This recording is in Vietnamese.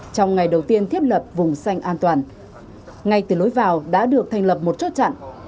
trong ngày đầu tiên thiết lập vùng xanh an toàn ngay từ lối vào đã được thành lập một chốt chặn